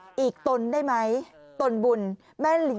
พี่บอกว่าบ้านทุกคนในที่นี่